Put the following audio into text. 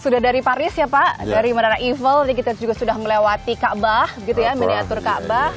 sudah dari paris ya pak dari marana evil kita juga sudah melewati ka bah gitu ya mediatur ka bah